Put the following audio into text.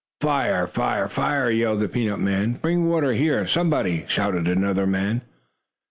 "Fire! Fire! Fire!" yelled the peanut man. "Bring water here, somebody!" shouted another man.